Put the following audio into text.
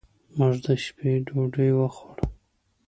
موږ د شپې ډوډۍ وخوړه.